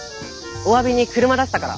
おわびに車出したから。